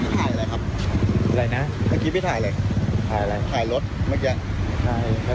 พี่ถ่ายอะไรครับพี่ถ่ายอะไรถ่ายรถเมื่อกี้